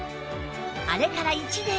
あれから１年。